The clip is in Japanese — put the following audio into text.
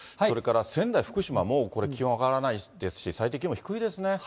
それから仙台、福島も気温上がらないですし、最低気温も低いですね。